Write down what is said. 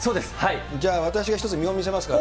じゃあ私は一つ見本を見せますから。